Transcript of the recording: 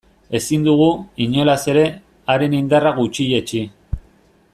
Ezin dugu, inolaz ere, haren indarra gutxietsi.